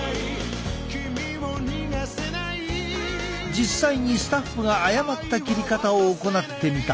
実際にスタッフが誤った切り方を行ってみた。